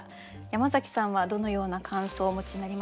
山崎さんはどのような感想をお持ちになりましたか？